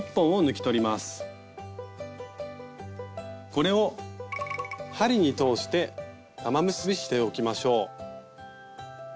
これを針に通して玉結びしておきましょう。